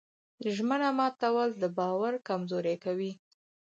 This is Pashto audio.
ژمنه ماتول د باور کمزوري کوي.